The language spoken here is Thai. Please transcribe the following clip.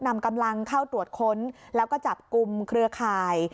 นำกำลังเข้าตรวจค้นแล้วก็จับกลุ่มเครือข่าย